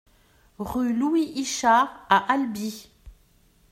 Rue Louis Ichard à Albi